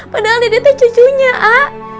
padahal dede teh cucunya ah